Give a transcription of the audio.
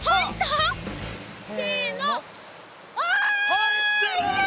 入ってる！